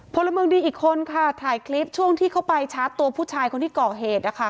พลเมืองดีอีกคนค่ะถ่ายคลิปช่วงที่เข้าไปชาร์จตัวผู้ชายคนที่ก่อเหตุนะคะ